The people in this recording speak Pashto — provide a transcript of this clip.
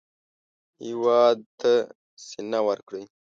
هېواد ته سینه ورکړئ